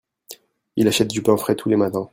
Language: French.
il achète du pain frais tous les matins.